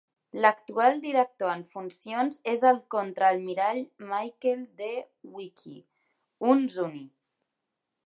L"actual director en funcions és el Contraalmirall Michael D. Weahkee, un zuni.